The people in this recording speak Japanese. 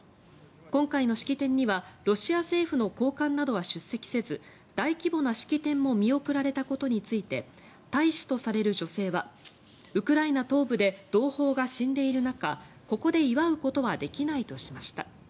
今回の式典にはロシア政府の高官などは出席せず大規模な式典も見送られたことについて大使とされる女性はウクライナ東部で同胞が死んでいる中ここで祝うことはできないとしました。